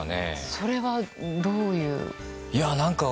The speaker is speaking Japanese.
それは、どういう？